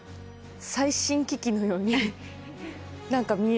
最新機器のように何か見える。